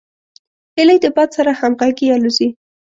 هیلۍ د باد سره همغږي الوزي